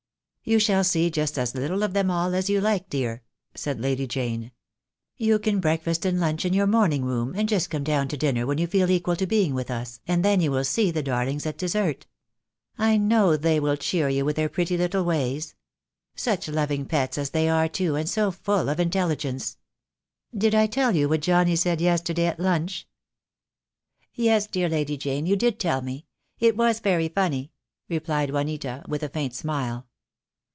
"You shall see just as little of them all as you like, dear," said Lady Jane. "You can breakfast and lunch THE DAY WILL COME. 2 I I in your morning room, and just come down to dinner when you feel equal to being with us, and then you will see the darlings at dessert. I know they will cheer you, with their pretty little ways. Such loving pets as they are too, and so full of intelligence. Did I tell you what Johnnie said yesterday at lunch?" "Yes, dear Lady Jane, you did tell me. It was very funny," replied Juanita, with a faint smile.